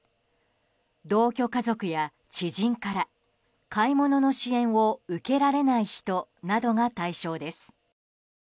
同居家族や知人から買い物の支援を受けられない人などが対象です。